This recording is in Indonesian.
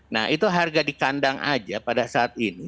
nah itu harga di kandang aja pada saat ini